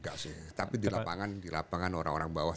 gak sih tapi di lapangan orang orang bawah